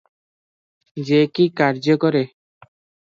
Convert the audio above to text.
ଯେ କି କାର୍ଯ୍ୟ କରେ ।